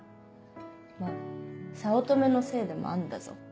まぁ早乙女のせいでもあんだぞ。